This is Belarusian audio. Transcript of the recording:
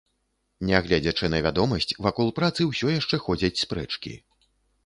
Нягледзячы на вядомасць, вакол працы ўсё яшчэ ходзяць спрэчкі.